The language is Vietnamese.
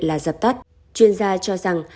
là dập tắt chuyên gia cho rằng